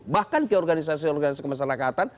bahkan ke organisasi organisasi kemasyarakatan